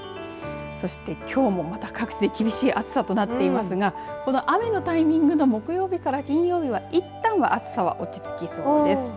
そしてきょうもまた各地で厳しい暑さとなっていますがこの雨のタイミングの木曜日から金曜日はいったんは暑さは落ち着きそうです。